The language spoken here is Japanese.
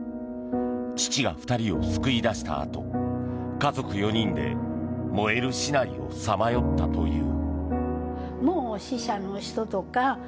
父が２人を救い出したあと家族４人で燃える市内をさまよったという。